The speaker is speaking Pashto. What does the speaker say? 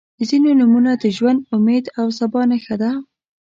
• ځینې نومونه د ژوند، امید او سبا نښه ده.